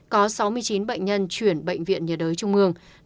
có sáu mươi chín bệnh nhân chuyển bệnh viện nhiệt đới trung ương